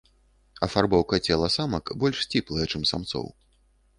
Афарбоўка цела самак больш сціплая, чым самцоў.